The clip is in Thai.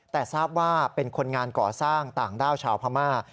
แต่ทราบว่าเป็นคนงานก่อสร้างต่างด้าวชาวพม่า